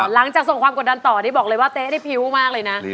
หลังจากส่งความกดดันต่อนี่บอกเลยว่าเต๊ะได้พิ้วมากเลยนะ